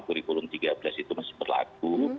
kurikulum tiga belas itu masih berlaku